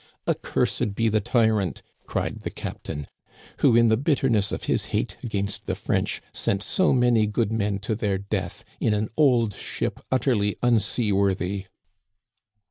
Accursed be the tyrant," cried the captain, " who in the bitterness of his hate against the French sent so many good men to their death in ah old ship utterly un seaworthy